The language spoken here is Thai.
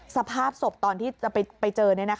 สภาพศพตอนที่จะไปเจอ